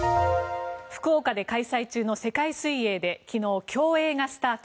福岡で開催中の世界水泳で昨日、競泳がスタート。